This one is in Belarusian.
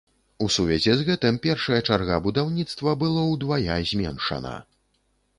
У сувязі з гэтым першая чарга будаўніцтва было ўдвая зменшана.